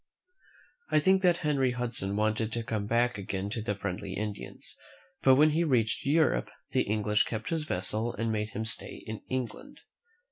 I think that Henry Hudson wanted to come back again to the friendly Indians; but when he reached Europe, the English kept his vessel and made him stay in England.